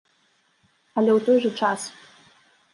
Але ў той жа час.